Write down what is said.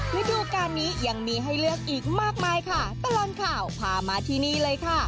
ฤดูการนี้ยังมีให้เลือกอีกมากมายค่ะตลอดข่าวพามาที่นี่เลยค่ะ